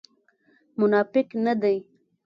منافق نه دی.